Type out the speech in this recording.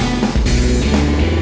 udah bocan mbak